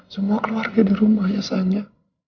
semua keluarga di rumah ya sayang ya